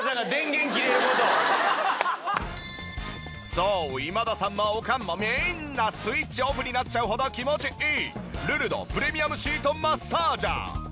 そう今田さんもおかんもみんなスイッチオフになっちゃうほど気持ちいいルルドプレミアムシートマッサージャー。